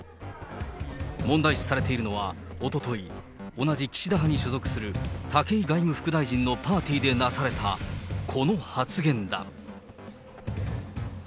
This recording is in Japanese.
問題視されているのは、おととい、同じ岸田派に所属する武井外務副大臣のパーティーでなされた、この発言だ。